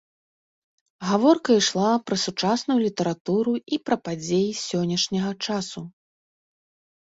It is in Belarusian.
Гаворка ішла пра сучасную літаратуру і пра падзеі сённяшняга часу.